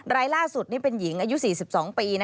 รายล่าสุดนี่เป็นหญิงอายุ๔๒ปี